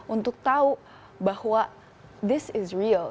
untuk tahu bahwa this is real